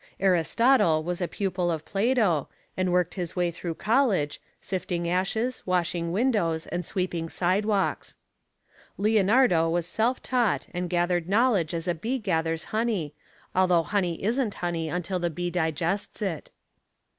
Aristotle was a pupil of Plato and worked his way through college, sifting ashes, washing windows and sweeping sidewalks. Leonardo was self taught and gathered knowledge as a bee gathers honey, although honey isn't honey until the bee digests it.